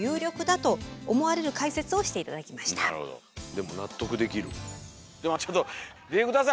でも納得できる。